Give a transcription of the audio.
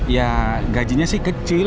ya gajinya sih kecil